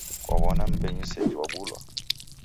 Kwaw'ona mmbenyu sejhi wabulwa?